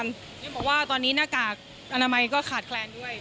เห็นบอกว่าตอนนี้หน้ากากอนามัยก็ขาดแคลนด้วย